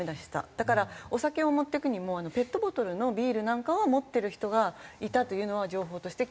だからお酒を持っていくにもペットボトルのビールなんかは持ってる人がいたというのは情報として聞いてますけど。